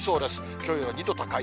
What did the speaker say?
きょうより２度高い。